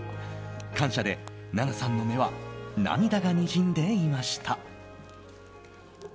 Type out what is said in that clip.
感謝で奈々さんの目には涙がにじんでいました。